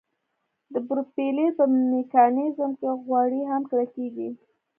د پروپیلر په میکانیزم کې غوړي هم کلکیږي